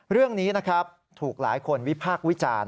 เรื่องนี้นะครับถูกหลายคนวิพากษ์วิจารณ์